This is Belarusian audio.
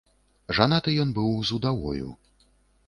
Жанаты ён быў з удавою.